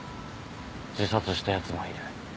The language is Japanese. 自殺したやつもいる。